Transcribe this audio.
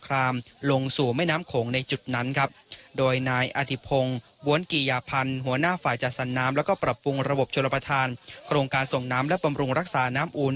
ปรับปรุงระบบชนประทานโครงการส่งน้ำและปำรุงรักษาน้ำอุ่น